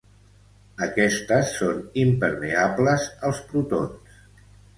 Aquestes són impermeables als protons.